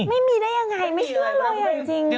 ไม่มีได้ยังไงไม่เชื่อเลยจริง